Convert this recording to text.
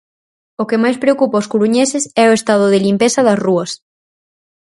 O que máis preocupa os coruñeses é o estado de limpeza das rúas.